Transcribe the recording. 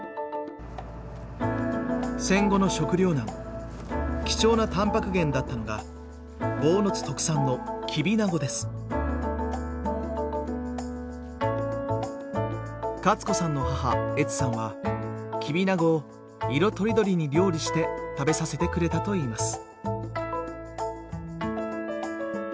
戦後の食糧難貴重なたんぱく源だったのが坊津特産のカツ子さんの母エツさんはキビナゴを色とりどりに料理して食べさせてくれたといいます。